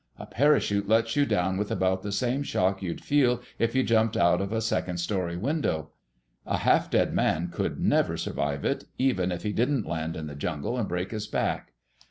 A parachute lets you down with about the same shock you'd feel if you jumped out of a second story window. A half dead man could never survive it, even if he didn't land in the jungle and break his back.